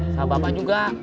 sama bapak juga